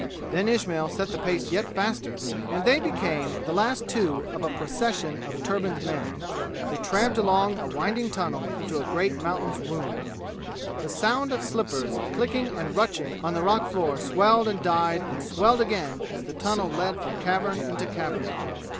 Then Ismail set the pace yet faster, and they became the last two of a procession of turbaned men, who tramped along a winding tunnel into a great mountain's womb. The sound of slippers clicking and rutching on the rock floor swelled and died and swelled again as the tunnel led from cavern into cavern.